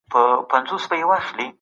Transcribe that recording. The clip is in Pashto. نور کافین لرونکي څښاک هم ورته اغېز لري.